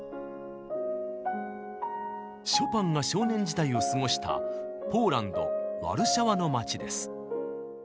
ショパンが少年時代を過ごしたポーランドワルシャワの町です。